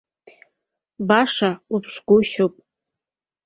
Баша уԥшгәышьоуп.